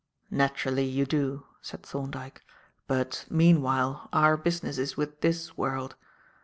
"Naturally you do," said Thorndyke, "but, meanwhile, our business is with this world.